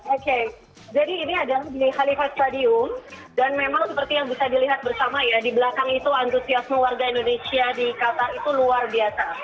oke jadi ini adalah di holiver stadium dan memang seperti yang bisa dilihat bersama ya di belakang itu antusiasme warga indonesia di qatar itu luar biasa